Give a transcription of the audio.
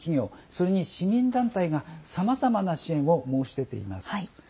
それに市民団体がさまざまな支援を申し出ています。